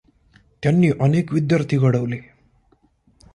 त्यांनी अनेक विद्यार्थी घडवले.